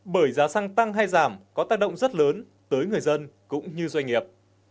bởi giá xăng tăng hay giảm có tác động rất lớn tới người dân cũng như doanh nghiệp